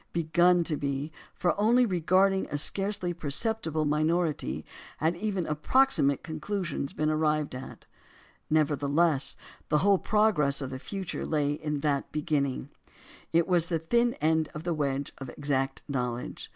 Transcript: Begun to be; for only regarding a scarcely perceptible minority had even approximate conclusions been arrived at. Nevertheless the whole progress of the future lay in that beginning; it was the thin end of the wedge of exact knowledge.